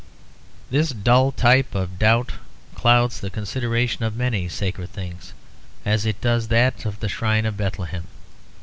This dull type of doubt clouds the consideration of many sacred things as it does that of the shrine of Bethlehem.